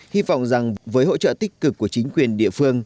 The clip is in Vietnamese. hy vọng rằng với hỗ trợ tích cực của chính quyền địa phương